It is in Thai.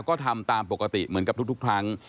ก็ทำตามปกติเหมือนกับทุกครั้ง